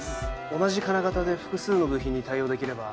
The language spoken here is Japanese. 同じ金型で複数の部品に対応できれば。